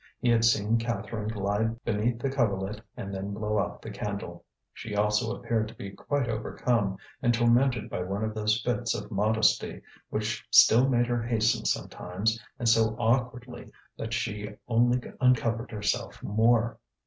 He had seen Catherine glide beneath the coverlet and then blow out the candle. She also appeared to be quite overcome, and tormented by one of those fits of modesty which still made her hasten sometimes, and so awkwardly that she only uncovered herself more.